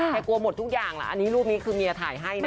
กลัวหมดทุกอย่างแหละอันนี้รูปนี้คือเมียถ่ายให้นะ